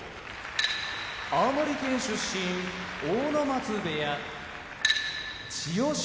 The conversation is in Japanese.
青森県出身阿武松部屋千代翔